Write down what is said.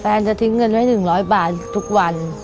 จะทิ้งเงินไว้๑๐๐บาททุกวัน